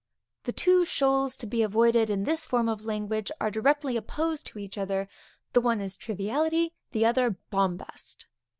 _ The two shoals to be avoided in this form of language are directly opposed to each other; the one is triviality, the other bombast.